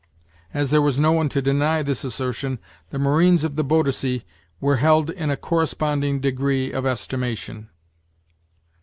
As there was no one to deny this assertion, the marines of the Boadicea were held in a corresponding degree of estimation.